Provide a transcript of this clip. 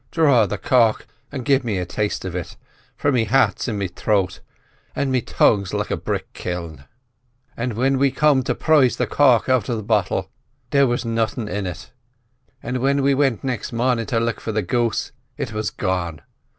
'Dhraw the cork and give me a taste of it, for me heart's in me throat, and me tongue's like a brick kil.' "An' whin we come to prize the cork out of the bottle, there was nothin' in it; an' whin we went next marnin' to look for the goose, it was gone.